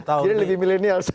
jadi lebih milenial